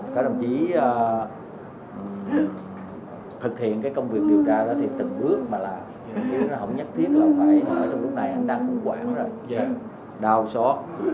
các đồng chí thực hiện cái công việc điều tra đó thì từng bước mà là không nhất thiết là phải trong lúc này anh đang cũng quảng rồi đau xót